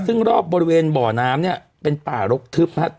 ซึ่งรอบบริเวณบ่อน้ำเนี่ยเป็นป่ารกทึบนะครับ